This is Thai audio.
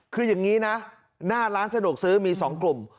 คืออย่างนี้นะหน้าร้านสะดวกซื้อมี๒กลุ่ม